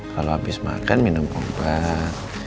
kalau habis makan minum kompak